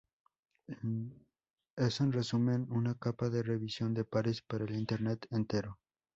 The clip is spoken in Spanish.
Es en resumen: "un capa de revisión de pares para el Internet entero.